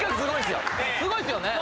すごいっすよね？